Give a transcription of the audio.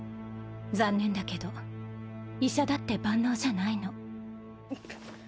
残念だけど医者だって万能じゃないの。